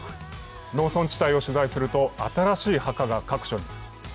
農村地帯を取材すると新しい墓が各所に。